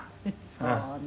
「そうね。